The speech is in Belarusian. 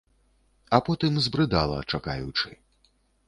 А потым збрыдала, чакаючы.